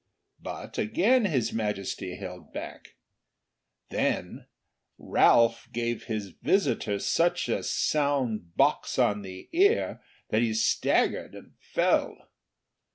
But again His Majesty held back. Then Ralph gave his visitor such a sound box on the ear that he staggered and fell.